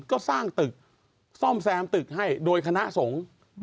ก็สร้างตึกซ่อมแซมตึกให้โดยคณะสงฆ์